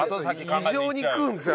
異常に食うんですよ